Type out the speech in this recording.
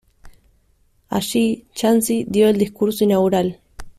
Allí, Yancy dio el discurso inaugural.